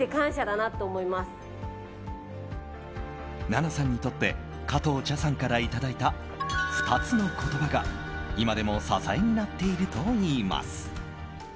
奈々さんにとって加藤茶さんからいただいた２つの言葉が、今でも支えになっているといいます。